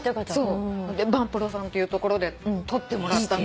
バンプロさんっていう所で撮ってもらったんだけど。